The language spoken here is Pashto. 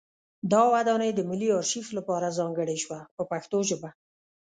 دا ودانۍ د ملي ارشیف لپاره ځانګړې شوه په پښتو ژبه.